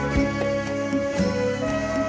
เย็น